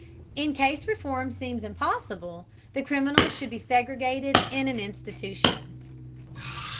In case reform seems impossible, the criminal should be segregated in an institution.